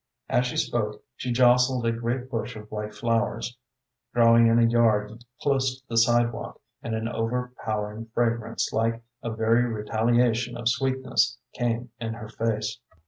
As she spoke she jostled a great bush of white flowers, growing in a yard close to the sidewalk, and an overpowering fragrance, like a very retaliation of sweetness, came in her face.